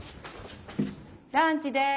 ランチです。